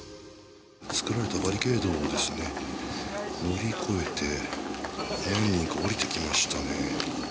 作られたバリケードを乗り越えて何人か下りてきましたね。